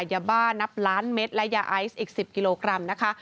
ยาบ้านับล้านเม็ดและยาไอซ์อีก๑๐กิโลกรัมนะคะ